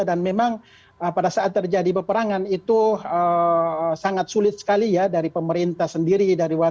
dan memang pada saat terjadi peperangan itu sangat sulit sekali ya dari pemerintah sendiri